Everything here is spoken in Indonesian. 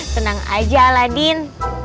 tenang aja aladin